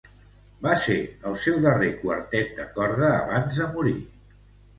Va ser el seu darrer quartet de corda abans de morir.